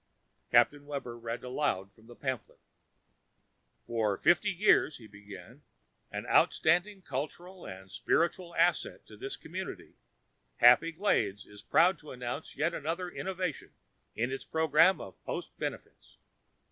Captain Webber read aloud from the pamphlet. "For fifty years," he began, "an outstanding cultural and spiritual asset to this community, HAPPY GLADES is proud to announce yet another innovation in its program of post benefits.